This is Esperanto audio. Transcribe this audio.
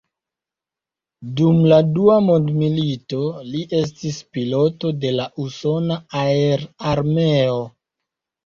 Dum la Dua Mondmilito li estis piloto de la usona aerarmeo.